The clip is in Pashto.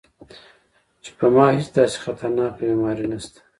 چې پۀ ما هېڅ داسې خطرناکه بيماري نشته -